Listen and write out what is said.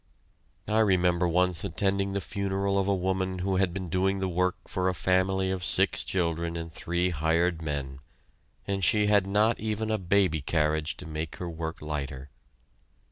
I remember once attending the funeral of a woman who had been doing the work for a family of six children and three hired men, and she had not even a baby carriage to make her work lighter.